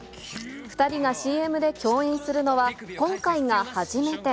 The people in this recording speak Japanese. ２人がＣＭで共演するのは、今回が初めて。